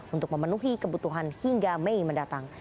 untuk memenuhi kebutuhan hingga mei mendatang